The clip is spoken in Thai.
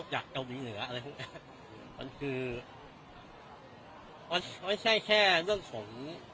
จากเจ้าผญิเหนืออะไระมันคือมันไม่ใช่ไม่ใช่แค่เรื่องสม